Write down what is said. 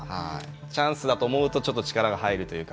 チャンスだと思うとちょっと力が入るというか。